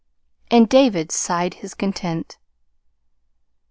And David sighed his content.